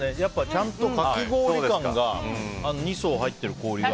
ちゃんとかき氷感が２層入ってる氷が。